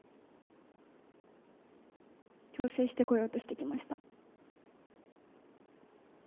矯正してこようとしてきました。